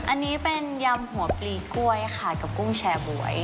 อันนี้เป็นยำหัวปลีกล้วยค่ะกับกุ้งแชร์บ๊วย